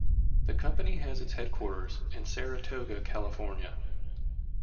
The company has its headquarters in Saratoga, California.